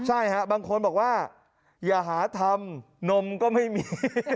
ใช่ฮะบางคนบอกว่าอย่าหาทำนมก็ไม่มี